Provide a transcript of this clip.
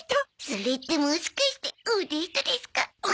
それってもしかしておデートですか？